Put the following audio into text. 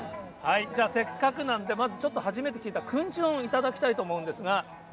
じゃあ、せっかくなんで、まずちょっと、初めて聞いたくんち丼頂きたいと思うんですが。